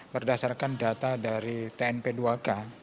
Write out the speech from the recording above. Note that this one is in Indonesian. berdasarkan data dari tnp dua k